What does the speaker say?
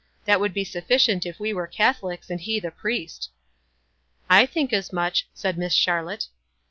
That would be sufficient if we were Catholics and he the priest." "I think as much," said Miss Charlotte.